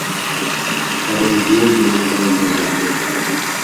Harom yo'l bilan boyiganlarga